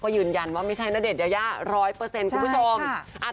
ก็ยืนยันว่าไม่ใช่ณเดชยาย่า๑๐๐เปอร์เซ็นต์คุณผู้ชม